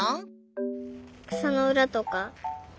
くさのうらとか？